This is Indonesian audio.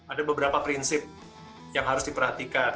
ada beberapa prinsip yang harus diperhatikan